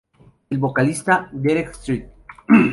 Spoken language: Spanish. El vocalista Derek St.